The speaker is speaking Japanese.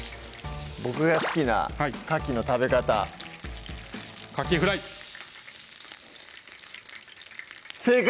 僕が好きなかきの食べ方かきフライ正解！